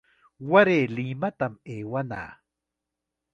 Waray Limatam aywanaa.